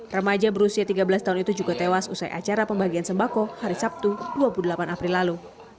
remaja berusia tiga belas tahun itu juga tewas usai acara pembagian sembako hari sabtu dua puluh delapan april lalu